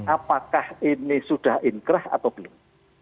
apakah ini sudah inkrah atau belum